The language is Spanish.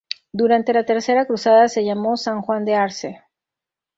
Durante la Tercera Cruzada se llamó San Juan de Acre.